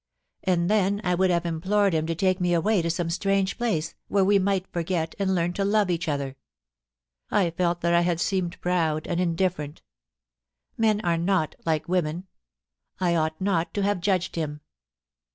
And then I would have implored him to take me away to some strange place, where we might forget, and learn to love each other, I felt that I had seemed proud and indifferent Men are not like women. I ought not to have judged him.